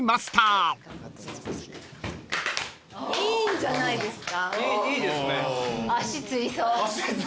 いいんじゃないですか。